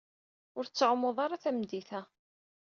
Ur tettɛumud ara tameddit-a.